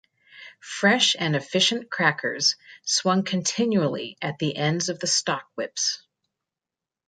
Fresh and efficient crackers swung continually at the ends of the stockwhips.